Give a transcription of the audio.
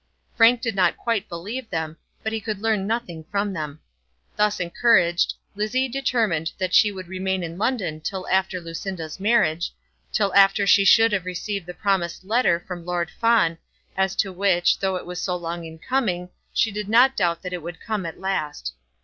Frank did not quite believe them, but he could learn nothing from them. Thus encouraged, Lizzie determined that she would remain in London till after Lucinda's marriage, till after she should have received the promised letter from Lord Fawn, as to which, though it was so long in coming, she did not doubt that it would come at last.